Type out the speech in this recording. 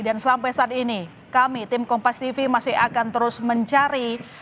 dan sampai saat ini kami tim kompas tv masih akan terus mencari